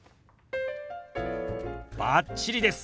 バッチリです。